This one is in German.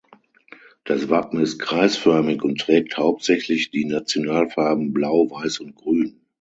Das Wappen ist kreisförmig und trägt hauptsächlich die Nationalfarben Blau, Weiß und Grün.